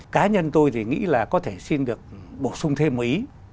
cá nhân tôi thì nghĩ là có thể xin được bổ sung thêm một ý